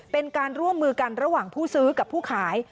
เป็นการร่วมมือกันระหว่างผู้ซื้อกับผู้ขาย